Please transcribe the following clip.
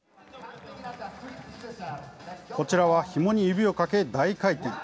こちらはひもに指をかけ大回転。